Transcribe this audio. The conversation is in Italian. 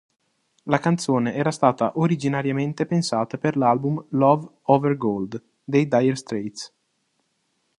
La canzone era stata originariamente pensata per l'album "Love over Gold" dei Dire Straits.